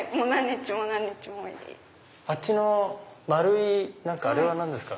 あっちの丸いあれは何ですか？